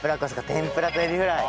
天ぷらとエビフライ。